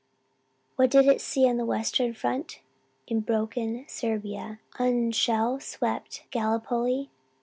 What did it see on the Western front? In broken Serbia? On shell swept Gallipoli?